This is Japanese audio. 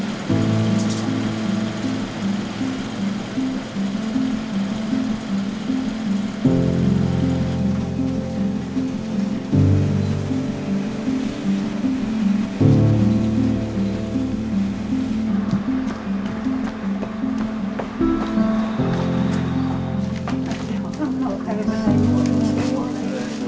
おはようございます。